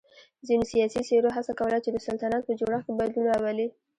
ځینو سیاسی څېرو هڅه کوله چې د سلطنت په جوړښت کې بدلون راولي.